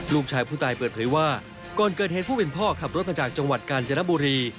ลูกชายผู้ตายเปิดเผยว่าก่อนเกิดเหตุผู้เป็นพ่อขับรถมาจากจังหวัดกาญจนบุรี